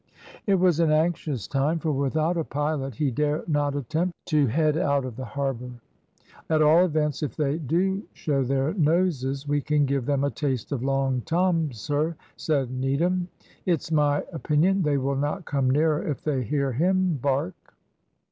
It was an anxious time, for without a pilot he dare not attempt to heat out of the harbour. "At all events, if they do show their noses, we can give them a taste of Long Tom, sir," said Needham; "it's my opinion they will not come nearer if they hear him bark."